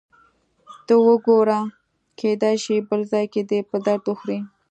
ته وګوره، کېدای شي بل ځای کې دې په درد وخوري.